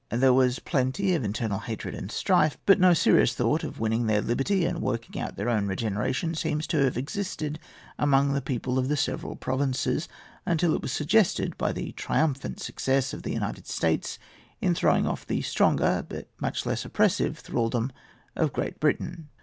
There was plenty of internal hatred and strife; but no serious thought of winning their liberty and working out their own regeneration seems to have existed among the people of the several provinces, until it was suggested by the triumphant success of the United States in throwing off the stronger but much less oppressive thraldom of Great Britain.